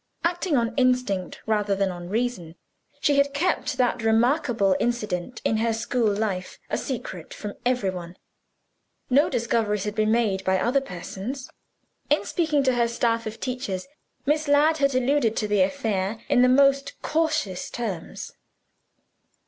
Acting on instinct rather than on reason, she had kept that remarkable incident in her school life a secret from every one. No discoveries had been made by other persons. In speaking to her staff of teachers, Miss Ladd had alluded to the affair in the most cautious terms.